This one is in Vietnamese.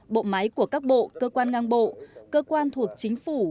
bộ máy của các bộ cơ quan ngang bộ cơ quan thuộc chính phủ